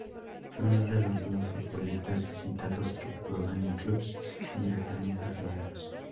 Fue uno de los dos futbolistas citados que actuaban en clubes indirectamente afiliados.